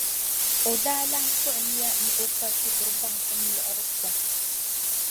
O daa lahi kpuɣi niya ni o kpa shikuru baŋsim liɣiri pɔŋ.